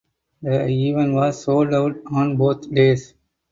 The event was sold out on both days.